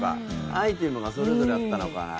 アイテムがそれぞれあったのかなって。